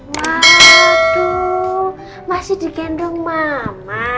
waduh masih digendong mama